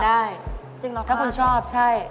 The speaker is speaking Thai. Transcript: น้ำหยดลงหินน้ำหยดลงหิน